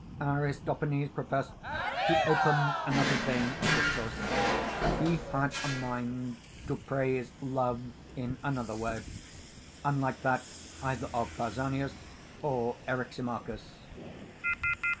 Aristophanes professed to open another vein of discourse; he had a mind to praise Love in another way, unlike that either of Pausanias or Eryximachus.